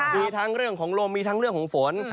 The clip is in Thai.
มีทั้งเรื่องของลมมีทั้งเรื่องของฝน